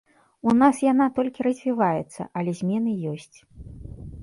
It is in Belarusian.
У нас яна толькі развіваецца, але змены ёсць.